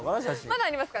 まだあります。